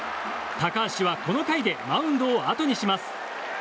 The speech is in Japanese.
高橋は、この回でマウンドをあとにします。